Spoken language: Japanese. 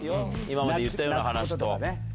今まで言ったような話と。